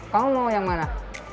kamu mau yang mana